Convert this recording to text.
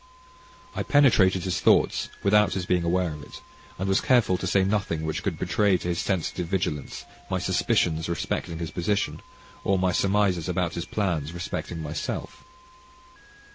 I penetrated his thoughts without his being aware of it, and was careful to say nothing which could betray to his sensitive vigilance my suspicions respecting his position, or my surmises about his plans respecting myself.